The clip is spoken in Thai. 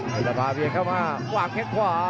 เผ็ดละพาเบียงเข้ามาวางแข่งขวา